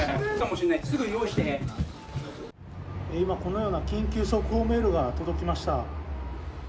今このような緊急速報メールが届きました。